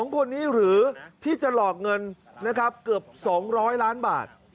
๒คนนี้หรือที่จะหลอกเงินนะครับเกือบ๒๐๐ล้านบาท